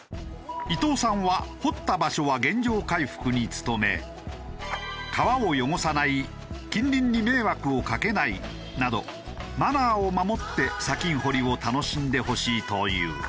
伊藤さんは掘った場所は原状回復に努め川を汚さない近隣に迷惑をかけないなどマナーを守って砂金掘りを楽しんでほしいという。